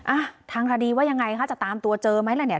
อ่ะทางคดีว่ายังไงคะจะตามตัวเจอไหมล่ะเนี่ย